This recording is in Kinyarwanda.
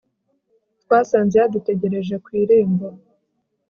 twasanze yadutegereje ku irembo